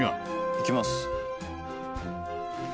「いきます」